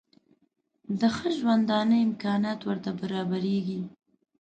د ښه ژوندانه امکانات ورته برابرېږي.